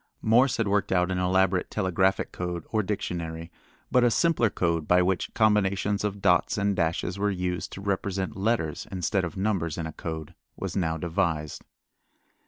Morse had worked out an elaborate telegraphic code or dictionary, but a simpler code by which combinations of dots and dashes were used to represent letters instead of numbers in a code was now devised.